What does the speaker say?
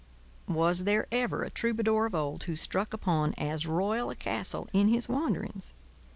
Was there ever a troubadour of old who struck upon as royal a castle in his wanderings?